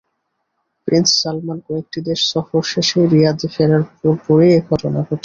Prince Salman কয়েকটি দেশ সফর শেষে রিয়াদে ফেরার পরপরই এ ঘটনা ঘটে।